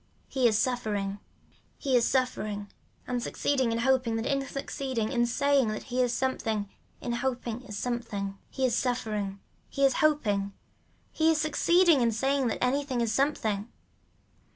He is suffering, he is suffering and succeeding in hoping that in succeeding in saying that he is succeeding in hoping is something. He is suffering, he is hoping, he is succeeding in saying that anything is something.